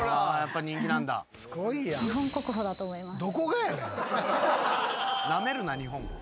日本国宝だと思います。